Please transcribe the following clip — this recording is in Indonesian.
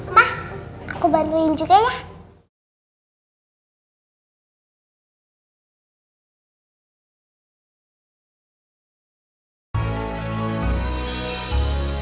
emah aku bantuin juga ya